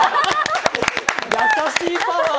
優しいパワー。